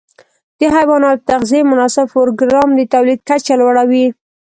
د حيواناتو د تغذیې مناسب پروګرام د تولید کچه لوړه وي.